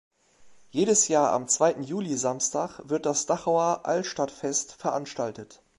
Jedes Jahr am zweiten Juli-Samstag wird das Dachauer Altstadtfest veranstaltet.